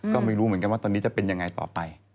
ก็ไม่รู้ว่าจะเป็นยังไงต่อไป